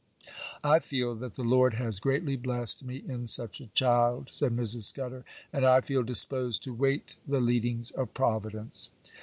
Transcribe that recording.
'I feel that the Lord has greatly blessed me in such a child,' said Mrs. Scudder, 'and I feel disposed to wait the leadings of Providence.